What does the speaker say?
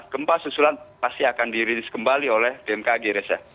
gempa susulan pasti akan dirilis kembali oleh bmkg reza